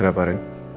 ada apa ren